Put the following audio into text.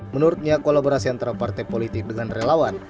menurutnya kolaborasi antara partai politik dengan relawan